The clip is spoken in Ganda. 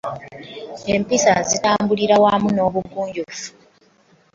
Empisa zitambulira wamu n'obugunjufu.